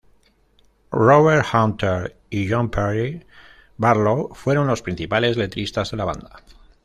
Robert Hunter y John Perry Barlow fueron los principales letristas de la banda.